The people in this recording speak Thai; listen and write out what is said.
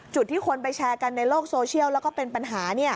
จุดที่คนไปแชร์กันในโลกโซเชียลแล้วก็เป็นปัญหา